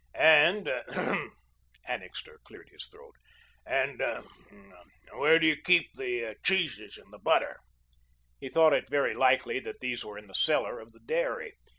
"And," Annixter cleared his throat, "and where do you keep the cheeses and the butter?" He thought it very likely that these were in the cellar of the dairy.